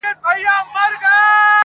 زه به د څو شېبو لپاره نور~